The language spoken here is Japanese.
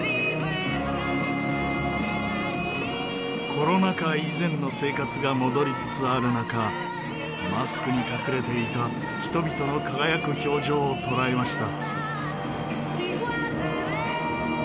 コロナ禍以前の生活が戻りつつある中マスクに隠れていた人々の輝く表情を捉えました。